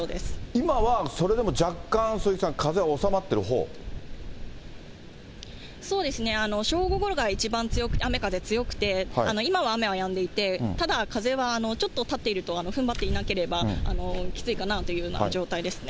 今はそれでも若干、そうですね、正午ごろが一番強くて、雨風強くて、今は雨はやんでいて、ただ、風はちょっと立っていると、ふんばっていなければきついかなというような状態ですね。